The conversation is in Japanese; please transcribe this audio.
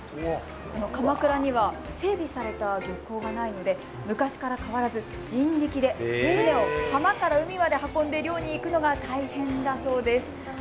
鎌倉には整備された漁港がないので昔から変わらず人力で、船を浜から海まで運んで漁に行くのが大変だそうです。